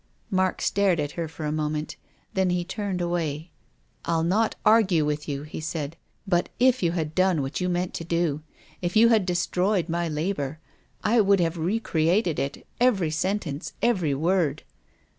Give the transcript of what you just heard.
Mark stared at her for a moment. Then he turned away. " I'll not argue with you," he said. " But, if you had done what you meant to do, if you had destroyed my labour, I would have recreated it, every sentence, every word."